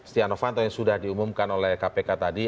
stiano fanto yang sudah diumumkan oleh kpk tadi